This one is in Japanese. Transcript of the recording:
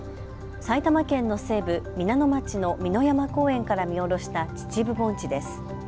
埼玉県の西部、皆野町の美の山公園から見下ろした秩父盆地です。